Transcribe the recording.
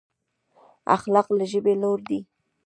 اخلاق له ژبې لوړ دي.